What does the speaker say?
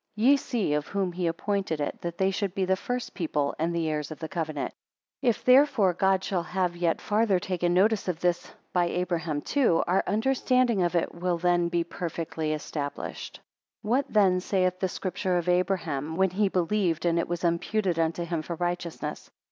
8 Ye see of whom he appointed it, that they should be the first people, and heirs of the covenant. 9 If therefore God shall have yet farther taken notice of this, by Abraham too; our understanding of it will then be perfectly established. 10 What then saith the Scripture of Abraham, when I be believed, and it was imputed unto him for righteousness?